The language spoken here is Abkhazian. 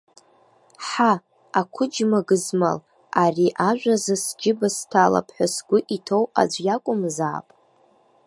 Ҳа, ақәыџьма гызмал, ари ажәазы сџьыба сҭалап ҳәа згәы иҭоу аӡә иакәымзаап!